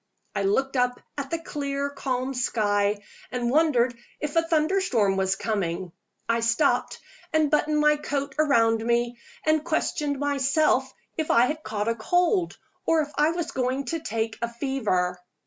I looked up at the clear, calm sky, and wondered if a thunderstorm was coming. I stopped, and buttoned my coat round me, and questioned myself if I had caught a cold, or if I was going to have a fever.